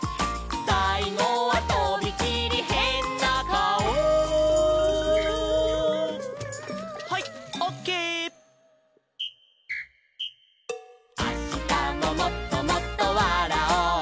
「さいごはとびきりへんなかお」「あしたももっともっとわらおう」